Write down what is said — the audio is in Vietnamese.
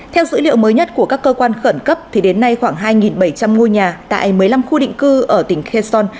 theo dữ liệu mới nhất của các cơ quan khẩn cấp thì đến nay khoảng hai bảy trăm linh ngôi nhà tại một mươi năm khu định cư ở tỉnh kheson